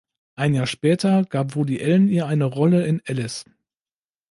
Ein Jahr später gab Woody Allen ihr eine Rolle in "Alice".